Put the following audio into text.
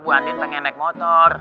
bu andin pengen naik motor